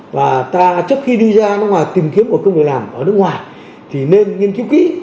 và trước khi đi ra nước ngoài tìm kiếm một công việc làm ở nước ngoài thì nên nghiên cứu kỹ